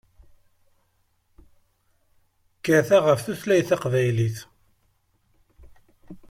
Kkateɣ ɣef tutlayt taqbaylit.